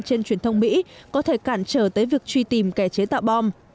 trên truyền thông mỹ có thể cản trở tới việc truy tìm kẻ chế tạo bom